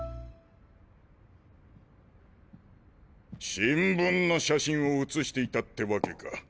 新聞の写真を映していたってわけか。